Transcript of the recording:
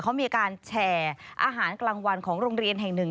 เขามีการแชร์อาหารกลางวันของโรงเรียนแห่งหนึ่ง